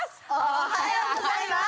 おはようございます！